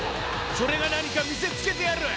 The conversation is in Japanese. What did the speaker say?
それが何か見せつけてやる